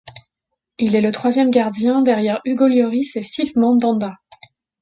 Il est le troisième gardien derrière Hugo Lloris et Steve Mandanda.